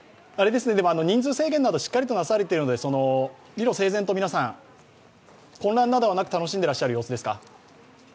でも人数制限などしっかりとなされているので理路整然と皆さん、混乱などはなく楽しんでいらっしゃる様子ですか。